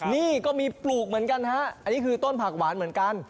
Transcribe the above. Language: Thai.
นี่ก็มีปลูกเหมือนกันฮะอันนี้คือต้นผักหวานเหมือนกัน